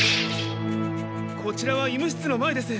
こちらは医務室の前です。